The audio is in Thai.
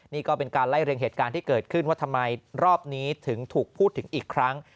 นี่ก็เป็นการไล่เรียงเหตุการณ์ที่เกิดขึ้นว่าทำไมรอบนี้ถึงถูกพูดถึงอีกครั้ง